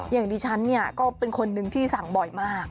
อย่างดิฉันเนี่ยก็เป็นคนนึงที่สั่งบ่อยมาก